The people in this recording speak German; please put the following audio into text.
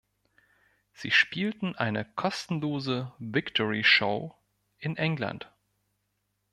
Sie spielten eine kostenlose „Victory“-Show in England.